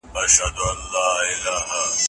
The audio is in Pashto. هغه په برخي کي کار کړی او عزت يې وساتی.